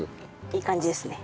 いい感じですね。